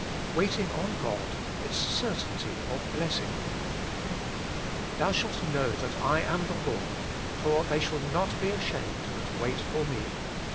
WAITING ON GOD: 5td Gertainti2 ot JIBleBBind* ' Thou shalt know that I am the Lord ; for they shall not be ashamed that wait for Me.'